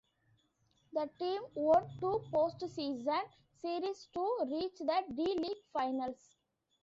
The team won two postseason series to reach the D-League finals.